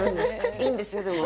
いいんですよでも。